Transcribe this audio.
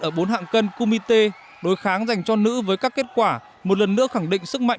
ở bốn hạng cân komit đối kháng dành cho nữ với các kết quả một lần nữa khẳng định sức mạnh